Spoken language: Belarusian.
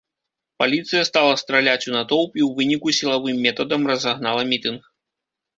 Паліцыя стала страляць у натоўп і ў выніку сілавым метадам разагнала мітынг.